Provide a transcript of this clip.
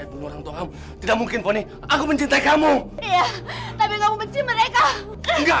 saya pun orangtua kamu tidak mungkin poni aku mencintai kamu tapi enggak mencinta mereka enggak